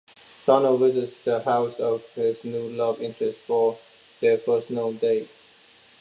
Donald visits the house of his new love interest for their first known date.